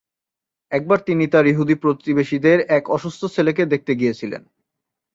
একবার তিনি তার ইহুদি প্রতিবেশীর এক অসুস্থ ছেলেকে দেখতে গিয়েছিলেন।